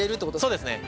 そうですね。